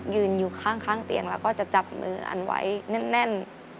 ยืนอยู่ข้างเตียงแล้วก็จะจับมืออันไว้แน่น